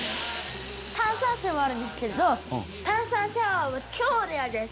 「炭酸泉はあるんですけれど炭酸シャワーは超レアです」